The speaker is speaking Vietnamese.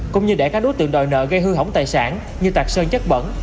cũng như để các đối tượng đòi nợ gây hư hỏng tài sản như tạc sơn chất bẩn